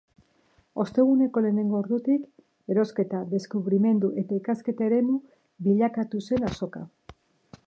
Osteguneko lehenengo ordutik, erosketa, deskubrimendu eta ikasketa eremu bilakatu zen azoka.